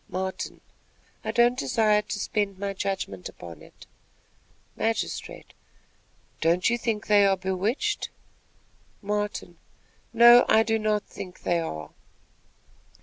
Martin. "I don't desire to spend my judgment upon it." Magistrate. "Don't you think they are bewitched?" Martin. "No; I do not think they are."